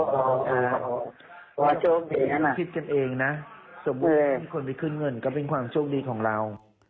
คิดกันเองนะสมมุติที่คนไปขึ้นเงินก็เป็นความโชคดีของเรา